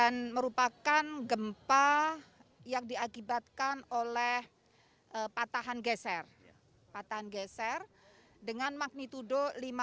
tersebut dan merupakan gempa yang diakibatkan oleh patahan geser patahan geser dengan magnitudo lima enam